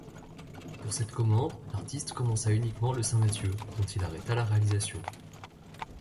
Pour cette commande l'artiste commença uniquement le saint Matthieu dont il arrêta la réalisation.